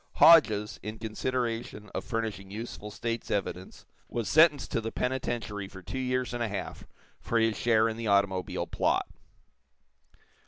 Hodges, in consideration of furnishing useful state's evidence, was sentenced to the penitentiary for two years and a half for his share in the automobile plot.